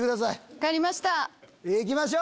分かりました。